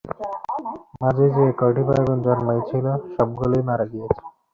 মাঝে যে কয়টি ভাইবোন জন্মিয়াছিল সবগুলিই মারা গিয়াছে।